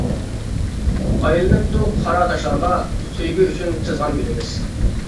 ئايلىنىپتۇ قارا تاشلارغا، سۆيگۈ ئۈچۈن تىزغان گۈلىمىز.